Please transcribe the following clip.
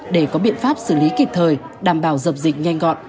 để có biện pháp xử lý kịp thời đảm bảo dập dịch nhanh gọn